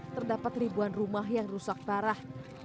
terdapat ribuan rumah yang rusak parah